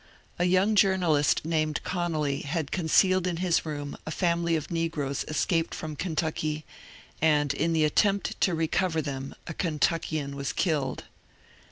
A young journalist named Conolly had concealed in his room a family of negroes es caped from Kentucky, and in the attempt to recover them a Kentuckian was killed.